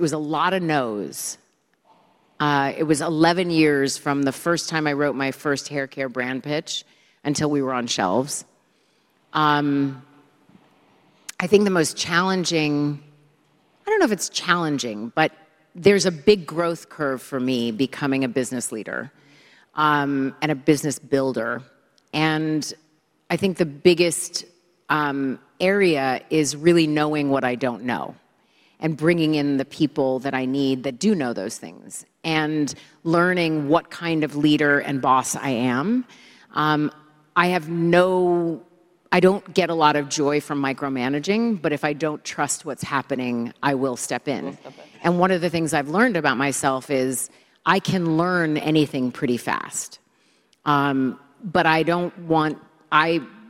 was a lot of no's. It was 11 years from the first time I wrote my first hair care brand pitch until we were on shelves. I think the most challenging, I don't know if it's challenging, but there's a big growth curve for me becoming a business leader and a business builder. I think the biggest area is really knowing what I don't know and bringing in the people that I need that do know those things and learning what kind of leader and boss I am. I don't get a lot of joy from micro-managing, but if I don't trust what's happening, I will step in. One of the things I've learned about myself is I can learn anything pretty fast. I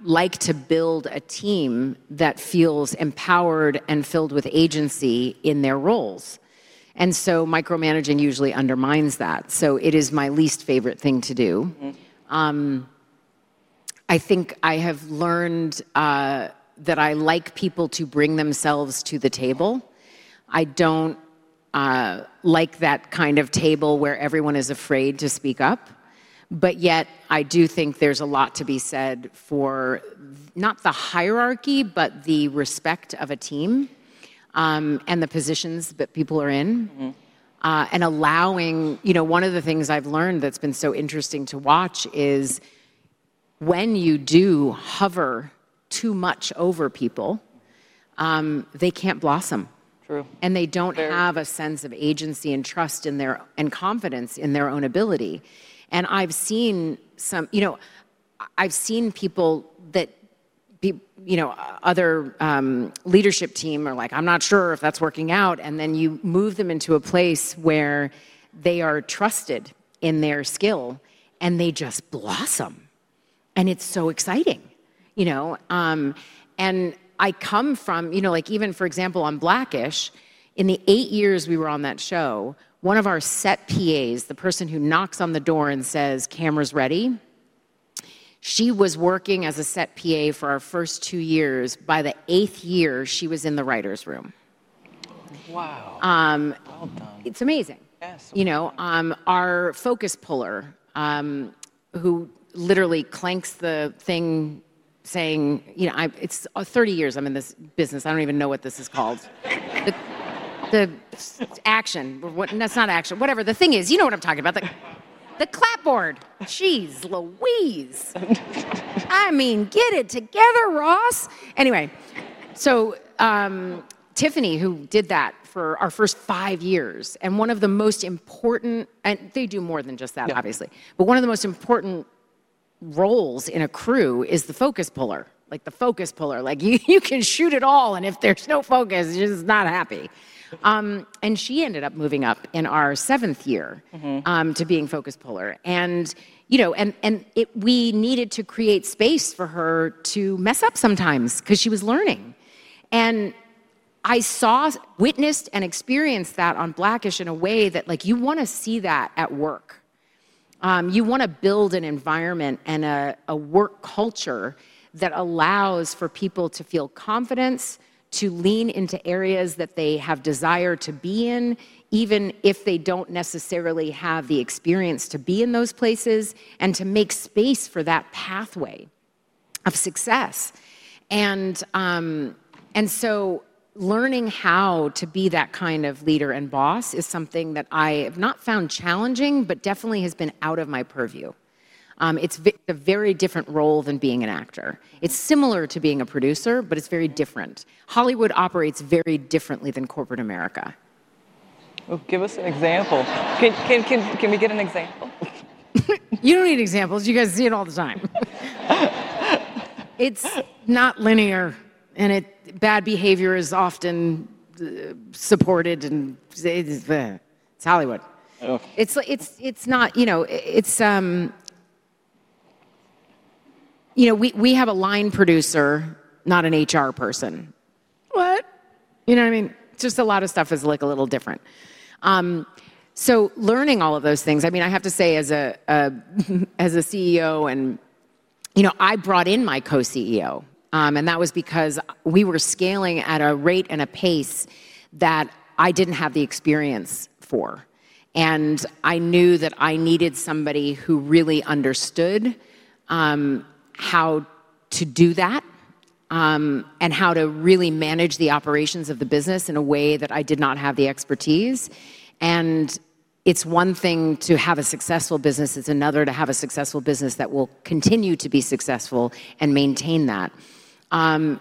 like to build a team that feels empowered and filled with agency in their roles. Micro-managing usually undermines that. It is my least favorite thing to do. I think I have learned that I like people to bring themselves to the table. I don't like that kind of table where everyone is afraid to speak up. I do think there's a lot to be said for not the hierarchy, but the respect of a team and the positions that people are in. Allowing, you know, one of the things I've learned that's been so interesting to watch is when you do hover too much over people, they can't blossom. True. They don't have a sense of agency, trust, and confidence in their own ability. I've seen people that other leadership team members are like, "I'm not sure if that's working out." You move them into a place where they are trusted in their skill, and they just blossom. It's so exciting. I come from, for example, on Black-ish, in the eight years we were on that show, one of our set PAs, the person who knocks on the door and says, "Camera's ready," she was working as a set PA for our first two years. By the eighth year, she was in the writer's room. Wow. It's amazing. Yes. You know, our focus puller, who literally cranks the thing, saying, you know, it's 30 years I'm in this business. I don't even know what this is called. The action, that's not action, whatever. The thing is, you know what I'm talking about? The clapboard, geez, Louise. I mean, get it together, Ross. Anyway, Tiffany, who did that for our first five years, and one of the most important, and they do more than just that, obviously. One of the most important roles in a crew is the focus puller. Like the focus puller. You can shoot it all, and if there's no focus, it's just not happy. She ended up moving up in our seventh year to being focus puller. We needed to create space for her to mess up sometimes because she was learning. I saw, witnessed, and experienced that on Black-ish in a way that you want to see that at work. You want to build an environment and a work culture that allows for people to feel confidence, to lean into areas that they have desire to be in, even if they don't necessarily have the experience to be in those places, and to make space for that pathway of success. Learning how to be that kind of leader and boss is something that I have not found challenging, but definitely has been out of my purview. It's a very different role than being an actor. It's similar to being a producer, but it's very different. Hollywood operates very differently than corporate America. Give us an example. Can we get an example? You don't need examples. You guys see it all the time. It's not linear, and bad behavior is often supported, and it's Hollywood. Oh. It's not, you know, we have a line producer, not an HR person. What? You know what I mean? A lot of stuff is a little different. Learning all of those things, I have to say as a CEO, I brought in my co-CEO because we were scaling at a rate and a pace that I didn't have the experience for. I knew that I needed somebody who really understood how to do that and how to really manage the operations of the business in a way that I did not have the expertise. It's one thing to have a successful business. It's another to have a successful business that will continue to be successful and maintain that. All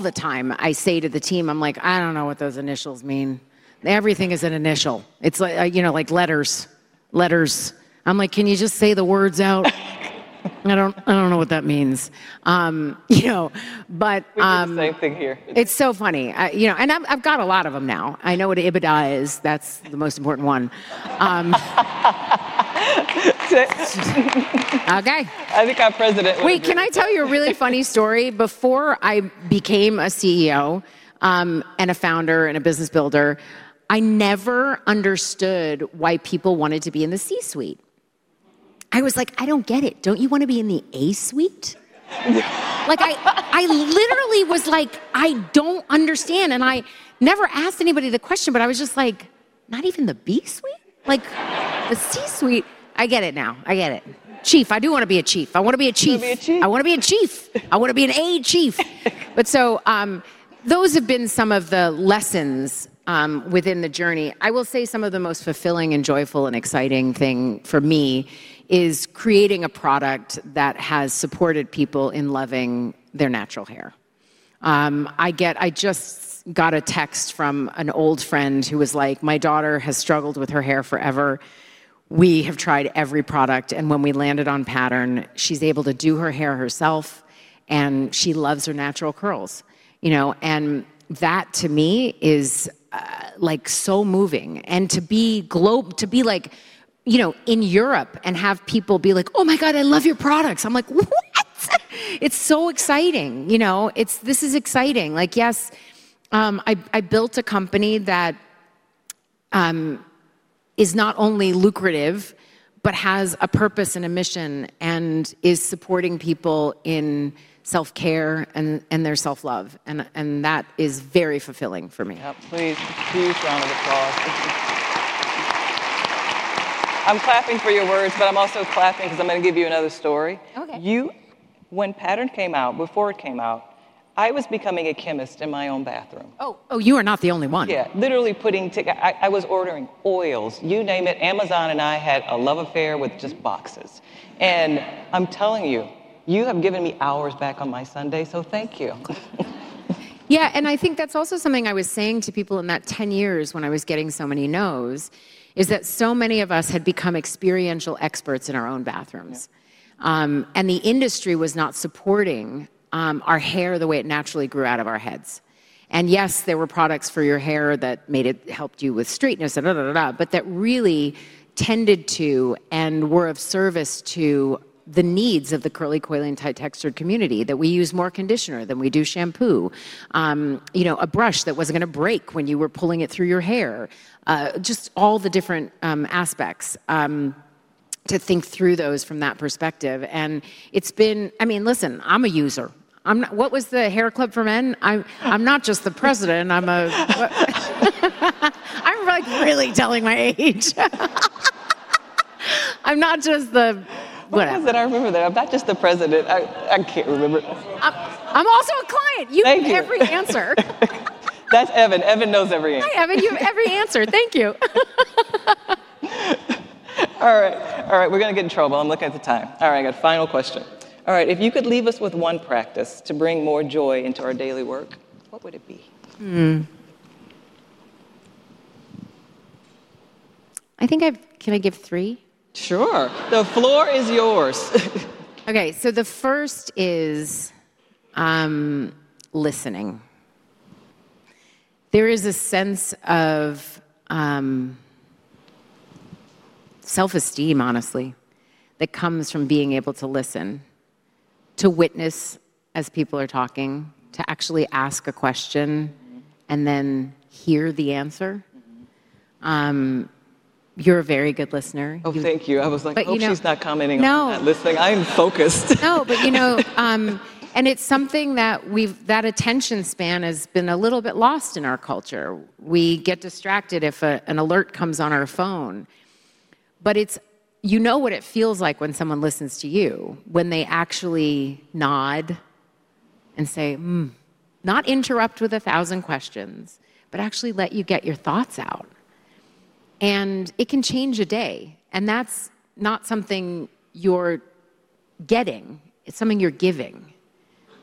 the time I say to the team, I'm like, I don't know what those initials mean. Everything is an initial. It's like letters. Letters. I'm like, can you just say the words out? I don't know what that means. We're doing the same thing here. It's so funny. You know, and I've got a lot of them now. I know what EBITDA is. That's the most important one. Okay. I think our President would love that. Wait, can I tell you a really funny story? Before I became a CEO and a founder and a business builder, I never understood why people wanted to be in the C-suite. I was like, I don't get it. Don't you want to be in the A-suite? I literally was like, I don't understand. I never asked anybody the question, but I was just like, not even the B-suite? A C-suite, I get it now. I get it. Chief, I do want to be a chief. I want to be a chief. You want to be a Chief? I want to be a Chief. I want to be a Chief. Those have been some of the lessons within the journey. I will say some of the most fulfilling, joyful, and exciting things for me is creating a product that has supported people in loving their natural hair. I just got a text from an old friend who was like, my daughter has struggled with her hair forever. We have tried every product, and when we landed on Pattern, she's able to do her hair herself, and she loves her natural curls. That to me is so moving. To be global, to be in Europe and have people be like, oh my God, I love your products, I'm like, what? It's so exciting. This is exciting. Yes, I built a company that is not only lucrative, but has a purpose and a mission and is supporting people in self-care and their self-love. That is very fulfilling for me. Please, two shouts of applause. I'm clapping for your words, but I'm also clapping because I'm going to give you another story. Okay. When Pattern Beauty came out, before it came out, I was becoming a chemist in my own bathroom. You are not the only one. Yeah, literally putting together. I was ordering oils, you name it, Amazon, and I had a love affair with just boxes. I'm telling you, you have given me hours back on my Sunday. Thank you. Yeah, I think that's also something I was saying to people in that 10 years when I was getting so many no's, is that so many of us had become experiential experts in our own bathrooms. The industry was not supporting our hair the way it naturally grew out of our heads. Yes, there were products for your hair that made it help you with straightness, but that really tended to and were of service to the needs of the curly, coiling, tight-textured community. We use more conditioner than we do shampoo. You know, a brush that wasn't going to break when you were pulling it through your hair, just all the different aspects to think through those from that perspective. It's been, I mean, listen, I'm a user. What was the hair club for men? I'm not just the president. I'm like really telling my age. I'm not just the. What is it? I remember that. I'm not just the president. I can't remember. I'm also a client. You have every answer. That's Evan. Evan knows everything. Hi, Evan. You have every answer. Thank you. All right. We're going to get in trouble. I'm looking at the time. All right. I got a final question. If you could leave us with one practice to bring more joy into our daily work, what would it be? I think I've, can I give three? Sure. The floor is yours. The first is listening. There is a sense of self-esteem, honestly, that comes from being able to listen, to witness as people are talking, to actually ask a question and then hear the answer. You're a very good listener. Oh, thank you. I was like, oh, she's not commenting. No. I'm not listening. I am focused. No, but you know, it's something that we've, that attention span has been a little bit lost in our culture. We get distracted if an alert comes on our phone. You know what it feels like when someone listens to you, when they actually nod and say, not interrupt with a thousand questions, but actually let you get your thoughts out. It can change a day. That's not something you're getting. It's something you're giving.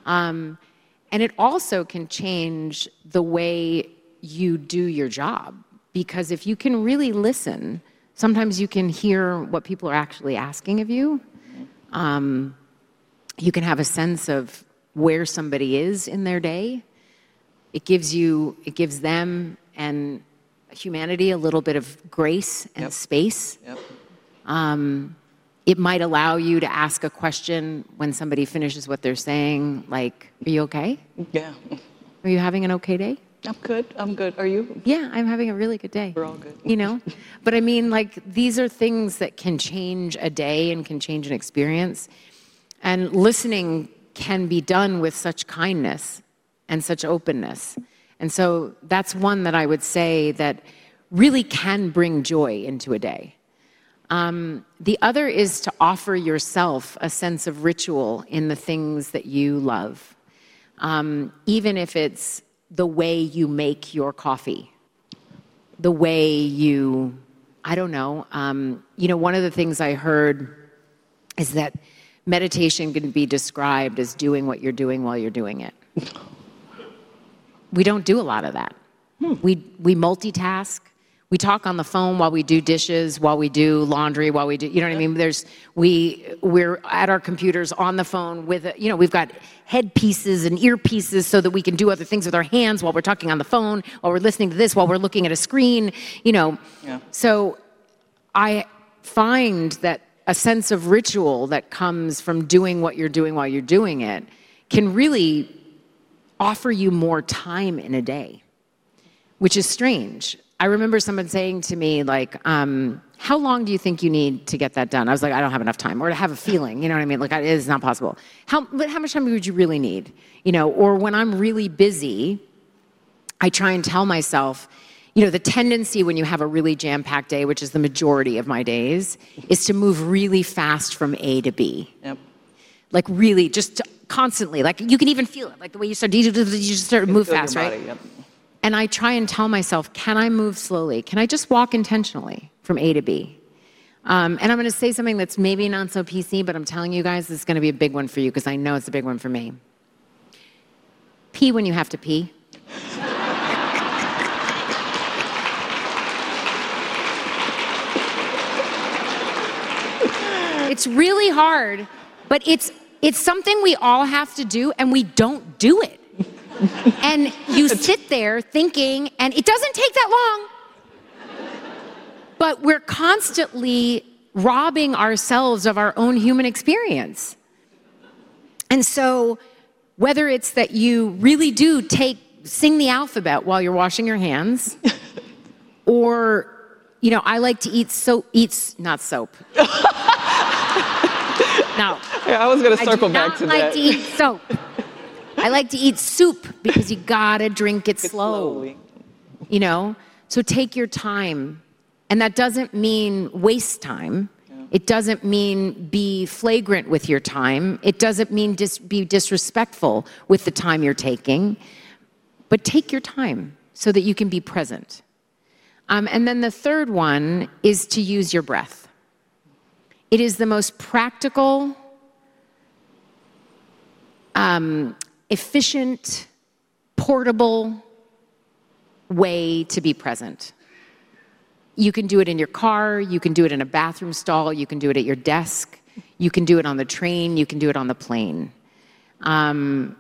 It also can change the way you do your job because if you can really listen, sometimes you can hear what people are actually asking of you. You can have a sense of where somebody is in their day. It gives you, it gives them and humanity a little bit of grace and space. It might allow you to ask a question when somebody finishes what they're saying, like, are you okay? Yeah. Are you having an okay day? I'm good. I'm good. Are you? Yeah, I'm having a really good day. We're all good. These are things that can change a day and can change an experience. Listening can be done with such kindness and such openness. That's one that I would say really can bring joy into a day. The other is to offer yourself a sense of ritual in the things that you love, even if it's the way you make your coffee, the way you, I don't know. One of the things I heard is that meditation could be described as doing what you're doing while you're doing it. We don't do a lot of that. We multitask. We talk on the phone while we do dishes, while we do laundry, while we do, you know what I mean? We're at our computers on the phone with, you know, we've got headpieces and earpieces so that we can do other things with our hands while we're talking on the phone, while we're listening to this, while we're looking at a screen, you know. Yeah. I find that a sense of ritual that comes from doing what you're doing while you're doing it can really offer you more time in a day, which is strange. I remember someone saying to me, like, how long do you think you need to get that done? I was like, I don't have enough time, or I have a feeling, you know what I mean? It's not possible. How much time would you really need? When I'm really busy, I try and tell myself, you know, the tendency when you have a really jam-packed day, which is the majority of my days, is to move really fast from A to B. Yep. You can even feel it, like the way you start, you start to move fast, right? Exactly. Yep. I try and tell myself, can I move slowly? Can I just walk intentionally from A to B? I'm going to say something that's maybe not so PC, but I'm telling you guys, this is going to be a big one for you because I know it's a big one for me. Pee when you have to pee. It's really hard, but it's something we all have to do, and we don't do it. You sit there thinking, and it doesn't take that long. We're constantly robbing ourselves of our own human experience. Whether it's that you really do sing the alphabet while you're washing your hands, or you know, I like to eat soap, eats, not soap. No. I was going to circle back to that. I like to eat soap. I like to eat soup because you got to drink it slowly. Totally. Take your time. That doesn't mean waste time. It doesn't mean be flagrant with your time. It doesn't mean just be disrespectful with the time you're taking. Take your time so that you can be present. The third one is to use your breath. It is the most practical, efficient, portable way to be present. You can do it in your car, in a bathroom stall, at your desk, on the train, or on the plane. Can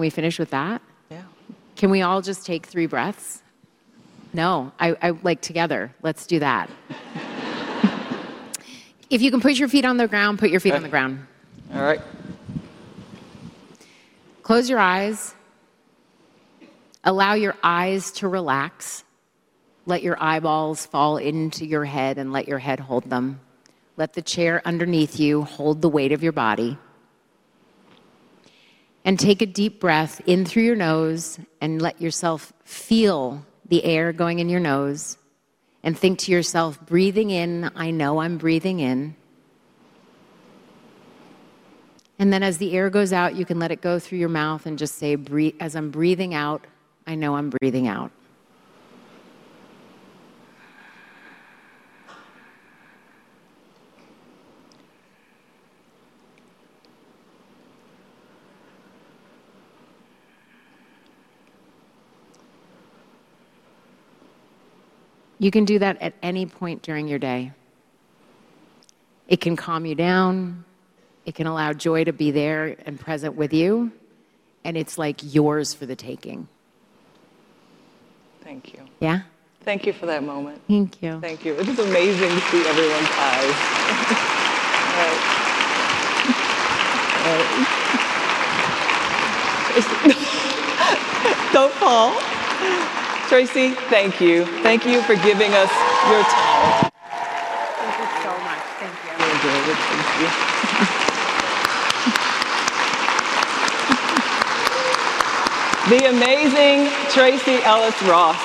we finish with that? Yeah. Can we all just take three breaths? No, I like together. Let's do that. If you can put your feet on the ground, put your feet on the ground. All right. Close your eyes. Allow your eyes to relax. Let your eyeballs fall into your head and let your head hold them. Let the chair underneath you hold the weight of your body. Take a deep breath in through your nose and let yourself feel the air going in your nose and think to yourself, breathing in, I know I'm breathing in. As the air goes out, you can let it go through your mouth and just say, as I'm breathing out, I know I'm breathing out. You can do that at any point during your day. It can calm you down. It can allow joy to be there and present with you. It's like yours for the taking. Thank you. Yeah? Thank you for that moment. Thank you. Thank you. It is amazing to see everyone's eyes. Don't fall. Tracee, thank you. Thank you for giving us your time. Thank you so much. Thank you. I'm going to do it. Thank you. The amazing Tracee Ellis Ross.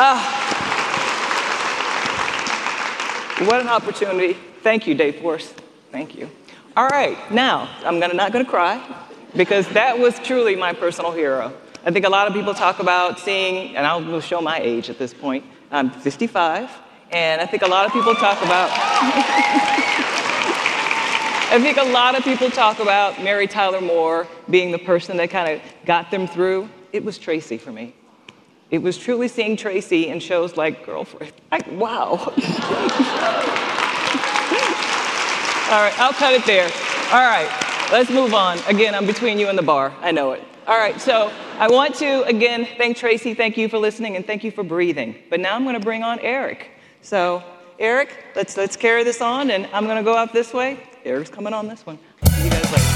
Oh, what an opportunity. Thank you, Dayforce. Thank you. All right. Now, I'm not going to cry because that was truly my personal hero. I think a lot of people talk about seeing, and I will show my age at this point. I'm 55. I think a lot of people talk about Mary Tyler Moore being the person that kind of got them through. It was Tracee for me. It was truly seeing Tracee in shows like Girlfriends. Wow. All right. I'll cut it there. All right. Let's move on. Again, I'm between you and the bar. I know it. All right. I want to, again, thank Tracee. Thank you for listening and thank you for breathing. Now I'm going to bring on Erik. Erik, let's carry this on. I'm going to go up this way. Erik's coming on. You guys.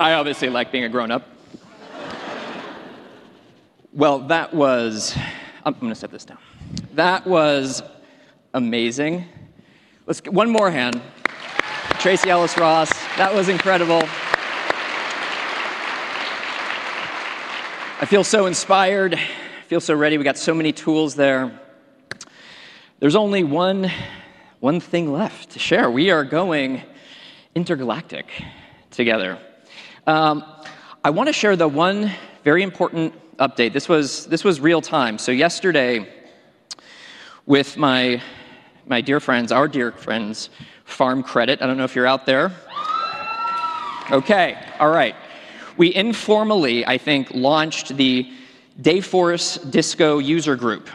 I obviously like being a grown-up. Well, that was... I'm going to set this down. That was amazing. Let's give one more hand. Tracee Ellis Ross. That was incredible. I feel so inspired. Feel so ready. We got so many tools there. There's only one... one thing left to share. We are going intergalactic together. Um, I want to share the one very important update. This was this was real time. So, yesterday with my my dear friends, our dear friends, Farm Credit. I don't know if you're out there. Okay. All right. We informally, I think, launched the Dayforce Disco User Group.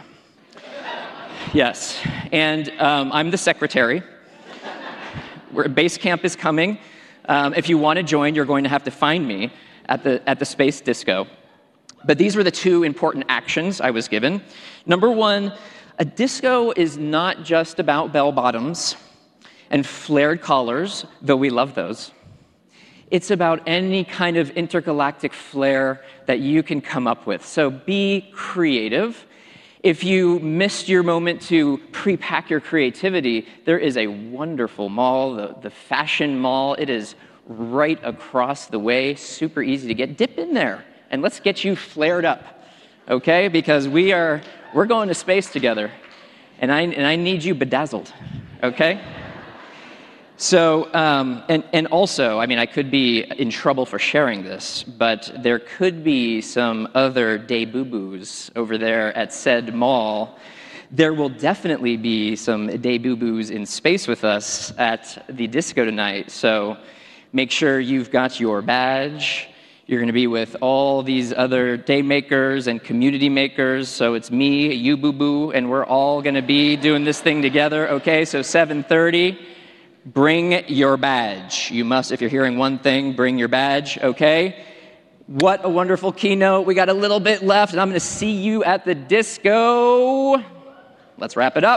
Yes. And, um, I'm the secretary. Where Base Camp is coming. Um, if you want to join, you're going to have to find me at the at the Space Disco. But these were the two important actions I was given. Number one, a disco is not just about bell bottoms and flared collars, though we love those. It's about any kind of intergalactic flair that you can come up with. So, be creative. If you missed your moment to pre-pack your creativity, there is a wonderful mall, the Fashion Mall. It is right across the way, super easy to get. Dip in there and let's get you flared up. Okay? Because we are we're going to space together. And I and I need you bedazzled. Okay? So, um, and and also, I mean, I could be in trouble for sharing this, but there could be some other Daybubus over there at said mall. There will definitely be some Daybubu community members in space with us at the disco tonight. Make sure you've got your badge. You are going to be with all these other Day Makers and Community Makers. It's me, you, and we're all going to be doing this thing together. Okay, 7:30. Bring your badge. You must, if you're hearing one thing, bring your badge. What a wonderful keynote. We got a little bit left, and I'm going to see you at the disco. Let's wrap it up.